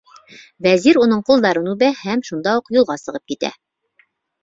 Вәзир уның ҡулдарын үбә һәм шунда уҡ юлға сығып китә.